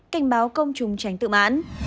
cảnh báo công chúng tránh tự mãn